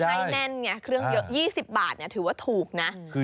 แต่เจ๊แกให้แน่นเนี่ยเครื่องยก๒๐บาทถือว่าถูกนะ